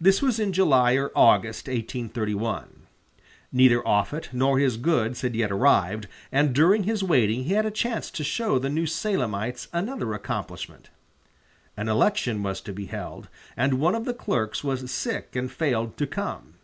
This was in July or August, 1831. Neither Offutt nor his goods had yet arrived, and during his waiting he had a chance to show the New Salemites another accomplishment. An election was to be held, and one of the clerks was sick and failed to come.